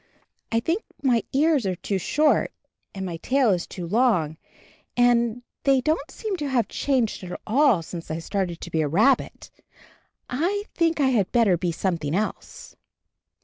I think that my ears are too short and my tail is too long, and they don't seem to have changed at all since I started to be a rabbit. I think I had better be something else."